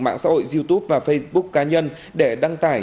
mạng xã hội youtube và facebook cá nhân để đăng tải